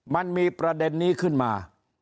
มันมีประเด็นนี้ขึ้นมา